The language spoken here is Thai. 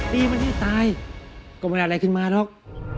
ตีมันที่จะตายก็มันอยู่อะไรขึ้นมาหรอก